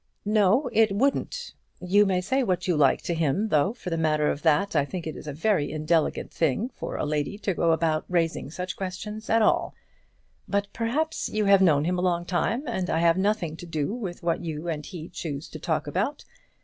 "No, it wouldn't. You may say what you like to him, though, for the matter of that, I think it a very indelicate thing for a lady to go about raising such questions at all. But perhaps you have known him a long time, and I have nothing to do with what you and he choose to talk about.